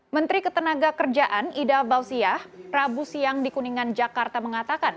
menteri ketenaga kerjaan ida fauziah rabu siang di kuningan jakarta mengatakan